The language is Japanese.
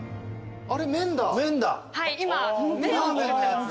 はい今麺を作ってます。